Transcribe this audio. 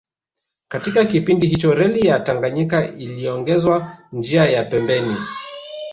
Katika kipindi hicho Reli ya Tanganyika iliongezwa njia ya pembeni